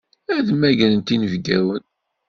Ad mmagren inebgawen.